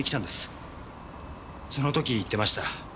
その時言ってました。